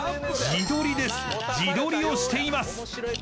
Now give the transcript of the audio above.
自撮りをしています］